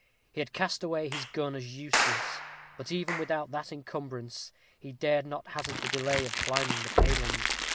He had cast away his gun as useless. But even without that incumbrance, he dared not hazard the delay of climbing the palings.